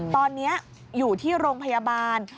ตอนนี้อยู่ที่โรงพยาบาล